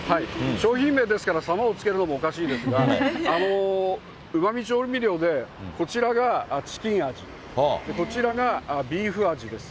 商品名ですから、さまを付けるのもおかしいですが、うまみ調味料で、こちらがチキン味、こちらがビーフ味です。